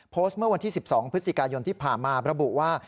เมื่อวันที่๑๒พฤศจิกายนที่ผ่านมาระบุว่า